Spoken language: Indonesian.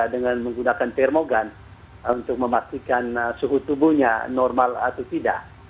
dengan menggunakan termogan untuk memastikan suhu tubuhnya normal atau tidak